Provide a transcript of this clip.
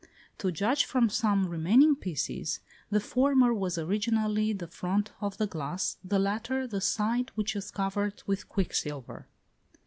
To judge from some remaining pieces, the former was originally the front of the glass, the latter the side which was covered with quicksilver.